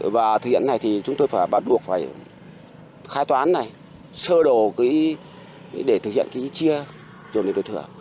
và thực hiện này thì chúng tôi phải bắt buộc phải khai toán này sơ đồ để thực hiện cái chia chuẩn để đổi thừa